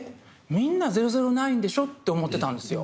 みんな「００９」でしょって思ってたんですよ。